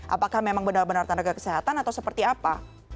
apakah memang benar benar tenaga kesehatan atau seperti apa